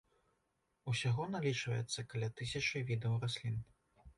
Усяго налічваецца каля тысячы відаў раслін.